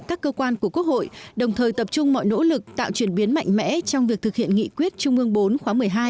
các cơ quan của quốc hội đồng thời tập trung mọi nỗ lực tạo chuyển biến mạnh mẽ trong việc thực hiện nghị quyết trung ương bốn khóa một mươi hai